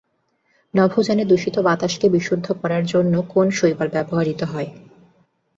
নভোযানে দূষিত বাতাসকে বিশুদ্ধ করার জন্য কোন শৈবাল ব্যবহৃত হয়?